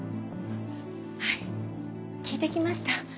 はい聞いて来ました。